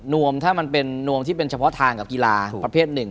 วมถ้ามันเป็นนวมที่เป็นเฉพาะทางกับกีฬาประเภทหนึ่ง